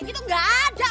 gitu gak ada